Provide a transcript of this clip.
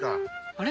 あれ？